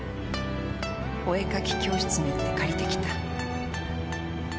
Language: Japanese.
お絵描き教室に行って借りてきた。